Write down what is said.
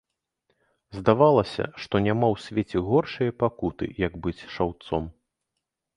Здавалася, што няма ў свеце горшае пакуты, як быць шаўцом.